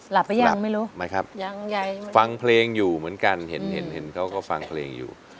หลับไปยังไม่รู้ไม่ครับฟังเพลงอยู่เหมือนกันเห็นเขาก็ฟังเพลงอยู่